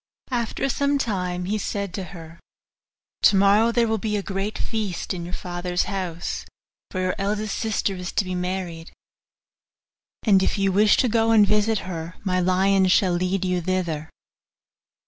After some time he said to her, 'Tomorrow there will be a great feast in your father's house, for your eldest sister is to be married; and if you wish to go and visit her my lions shall lead you thither.